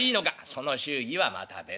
「その祝儀はまた別だ。